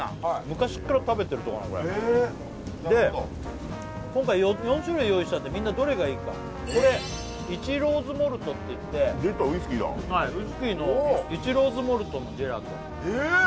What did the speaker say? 昔っから食べてるとこなのこれへえで今回４種類用意したんでみんなどれがいいかこれイチローズモルトっていって出たウイスキーだはいウイスキーのイチローズモルトのジェラート・え！